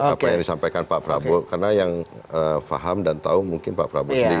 apa yang disampaikan pak prabowo karena yang faham dan tahu mungkin pak prabowo sendiri